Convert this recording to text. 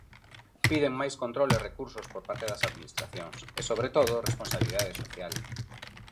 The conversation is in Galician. Piden máis control e recursos por parte das administracións, e sobre todo responsabilidade social.